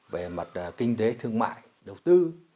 về mặt kinh tế thương mại đầu tư